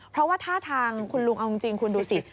เพราะว่าท่าทางคุณลุงเอาจริงคุณดูสิ